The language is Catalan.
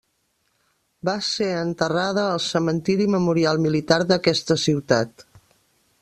Va ser enterrada al Cementiri Memorial Militar d'aquesta ciutat.